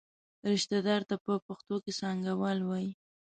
رشته دار ته په پښتو کې څانګوال وایي.